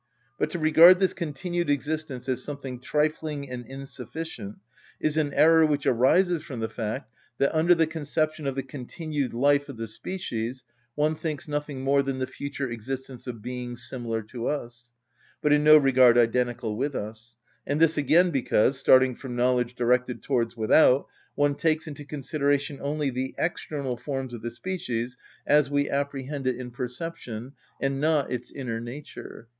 But to regard this continued existence as something trifling and insufficient is an error which arises from the fact that under the conception of the continued life of the species one thinks nothing more than the future existence of beings similar to us, but in no regard identical with us; and this again because, starting from knowledge directed towards without, one takes into consideration only the external form of the species as we apprehend it in perception, and not its inner nature.